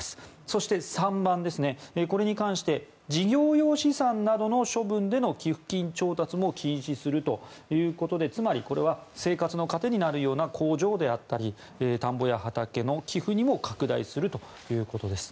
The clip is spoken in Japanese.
そして、３番これに関して事業用資産などの処分での寄付金調達も禁止するということでつまり生活の糧になるような工場であったり田んぼや畑の寄付にも拡大するということです。